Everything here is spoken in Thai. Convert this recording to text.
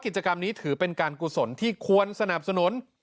กิจกรรมนี้ถือเป็นการกุศลที่ควรสนับสนุน